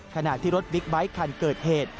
ขณะที่รถบิ๊กไบท์คันเกิดเหตุ